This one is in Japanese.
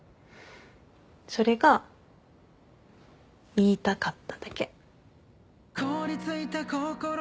それが言いたかっただけ。